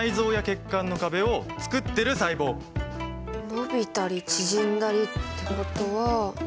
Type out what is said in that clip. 伸びたり縮んだりってことは。